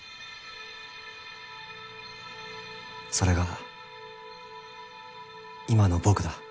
それが今の僕だ。